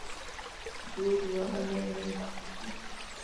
دود وهلې مې لمن وي